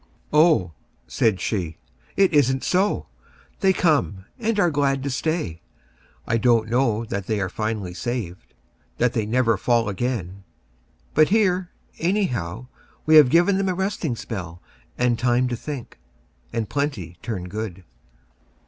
"Oh," said she, "it isn't so! They come, and are glad to stay. I don't know that they are finally saved, that they never fall again. But here, anyhow, we have given them a resting spell and time to think. And plenty turn good."